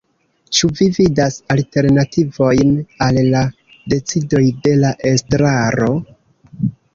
Ĉu vi vidas alternativojn al la decidoj de la estraro?